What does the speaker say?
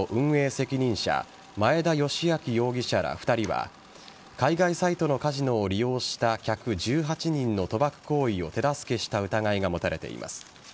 責任者前田由顕容疑者ら２人は海外サイトのカジノを利用した客１８人の賭博行為を手助けした疑いが持たれています。